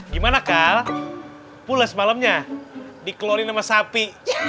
gimana kalp pula semalamnya dikeluarin sama sapi